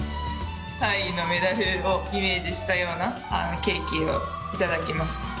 ３位のメダルをイメージしたようなケーキを頂きました。